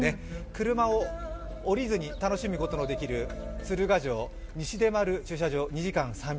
車を降りずに楽しむことのできる鶴ヶ城西出丸駐車場、２時間３００円。